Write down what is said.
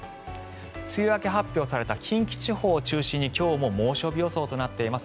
梅雨明け発表された近畿地方を中心に今日も猛暑日予想となっています。